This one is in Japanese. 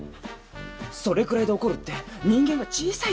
それくらいで怒るって人間が小さいっすよね？